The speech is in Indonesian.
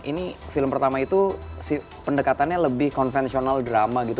ini film pertama itu pendekatannya lebih konvensional drama gitu